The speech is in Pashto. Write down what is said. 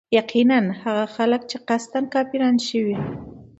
يقيناً هغه خلک چي قصدا كافران شوي